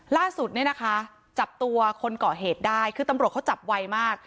ล่าสุดเนี่ยนะคะจับตัวคนก่อเหตุได้คือตำรวจเขาจับไวมาก